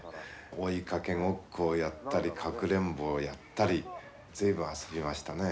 追いかけごっこをやったりかくれんぼをやったり随分遊びましたね。